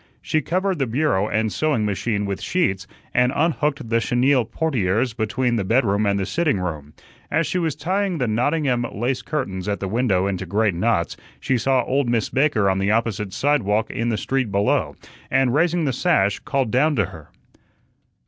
She covered the bureau and sewing machine with sheets, and unhooked the chenille portieres between the bedroom and the sitting room. As she was tying the Nottingham lace curtains at the window into great knots, she saw old Miss Baker on the opposite sidewalk in the street below, and raising the sash called down to her.